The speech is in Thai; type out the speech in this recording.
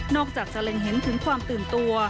จากจะเล็งเห็นถึงความตื่นตัว